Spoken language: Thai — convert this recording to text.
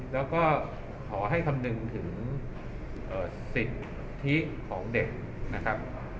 แล้วก็ขอให้คำนึงถึงสิทธิของเด็กนะครับ